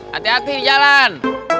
hati hati di jalan